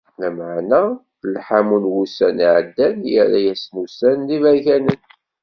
Lameεna, lḥamu n wussan iεeddan, yerra-asen ussan d iberkanen.